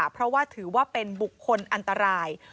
เพราะว่าถือว่าเป็นบุคคลอันตราย